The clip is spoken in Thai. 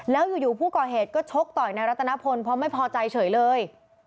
แล้วอยู่ผู้ก่อเหตุก็ชกต่อยในรัตนพลเพราะไม่พอใจเฉยเลย